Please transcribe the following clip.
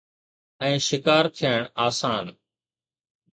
۽ شڪار ٿيڻ آسان.